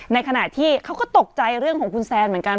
ในขณะที่เขาก็ตกใจเรื่องของคุณแซนเหมือนกัน